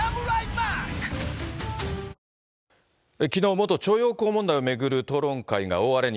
元徴用工問題を巡る討論会が大荒れに。